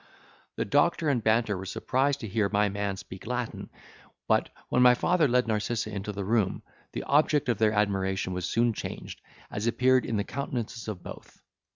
The doctor and Banter were surprised to hear my man speak Latin; but when my father led Narcissa into the room, the object of their admiration was soon changed, as appeared in the countenances of both.